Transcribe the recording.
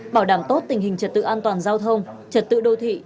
bảo đảm tốt tình hình trật tự an toàn giao thông trật tự đô thị